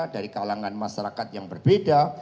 dari kalangan masyarakat yang berbeda